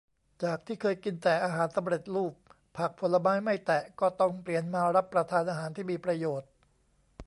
จากที่เคยกินแต่อาหารสำเร็จรูป ผักผลไม้ไม่แตะ ก็ต้องเปลี่ยนมารับประทานอาหารที่มีประโยชน์